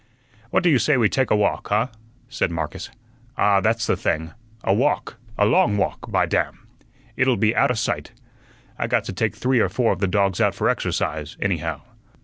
"What do you say we take a walk, huh?" said Marcus. "Ah, that's the thing a walk, a long walk, by damn! It'll be outa sight. I got to take three or four of the dogs out for exercise, anyhow.